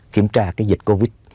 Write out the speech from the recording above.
kiểm tra cái dịch covid